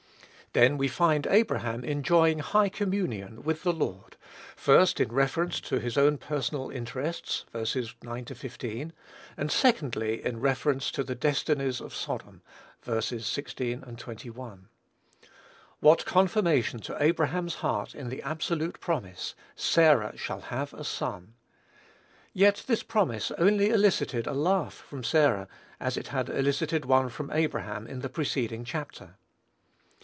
Then we find Abraham enjoying high communion with the Lord, first in reference to his own personal interests, (ver. 9 15,) and secondly in reference to the destinies of Sodom. (Ver. 16, 21.) What confirmation to Abraham's heart in the absolute promise "Sarah shall have a son!" Yet this promise only elicited a laugh from Sarah, as it had elicited one from Abraham in the preceding chapter.